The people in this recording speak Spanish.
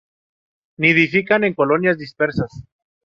Nidifican en colonias dispersas.